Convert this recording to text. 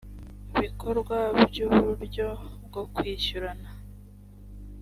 bikorwa by’uburyo bwo kwishyurana